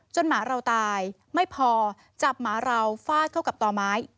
หมาเราตายไม่พอจับหมาเราฟาดเข้ากับต่อไม้